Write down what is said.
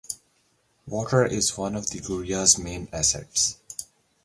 Water is one of the Guria's main assets.